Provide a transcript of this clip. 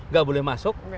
gak boleh masuk